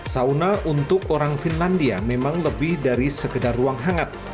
sauna untuk orang finlandia memang lebih dari sekedar ruang hangat